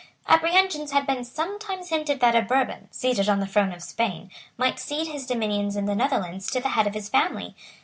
Apprehensions had been sometimes hinted that a Bourbon, seated on the throne of Spain, might cede his dominions in the Netherlands to the head of his family.